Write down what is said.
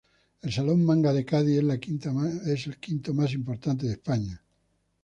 El Salón Manga de Cádiz es la quinta más importante de España.